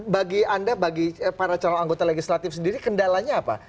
bagi anda bagi para calon anggota legislatif sendiri kendalanya apa